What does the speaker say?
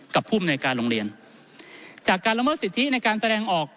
ภูมิในการโรงเรียนจากการละเมิดสิทธิในการแสดงออก